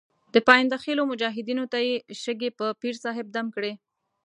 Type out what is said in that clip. د پاینده خېلو مجاهدینو ته یې شګې په پیر صاحب دم کړې.